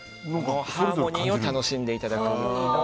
ハーモニーを楽しんでいただくと。